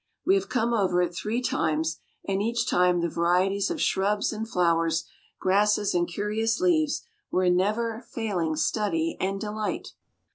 We have come over it three times; and each time the varieties of shrubs and flowers, grasses and curious leaves, were a never failing study and delight.